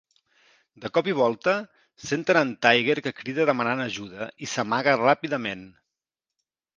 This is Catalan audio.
De cop i volta, senten en Tigger que crida demanant ajuda i s'amaga ràpidament.